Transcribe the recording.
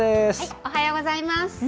おはようございます。